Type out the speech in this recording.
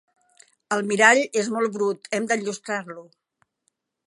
El mirall és molt brut: hem d'enllustrar-lo.